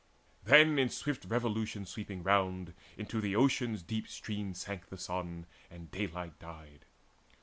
Then in swift revolution sweeping round Into the Ocean's deep stream sank the sun, And daylight died.